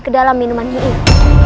kedalam minuman nyi iroh